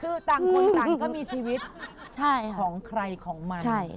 คือต่างคนต่างก็มีชีวิตของใครของมัน